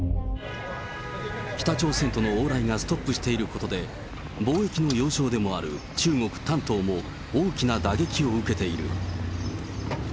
北朝鮮との往来がストップしていることで、貿易の要衝でもある中国・丹東も大きな打撃を受けている。